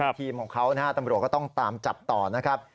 ทีมของเขานะฮะตำรวจก็ต้องตามจับต่อนะครับ